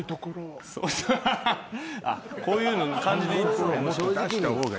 こういう感じでいいんですね。